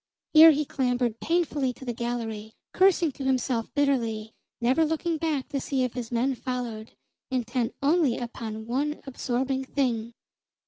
Here he clambered painfully to the gallery, cursing to himself bitterly, never looking back to see if his men followed, intent only upon one absorbing thing.